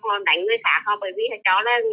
họ đánh người xã bởi vì đó là